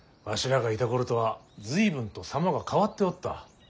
らがいた頃とは随分と様が変わっておった。